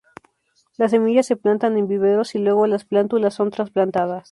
Las semillas se plantan en viveros y luego las plántulas son trasplantadas.